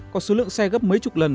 có số lượng xe gấp mấy chục lần